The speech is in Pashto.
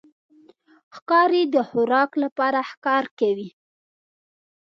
ښکاري د خوراک لپاره ښکار کوي.